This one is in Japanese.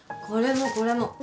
これもこれも。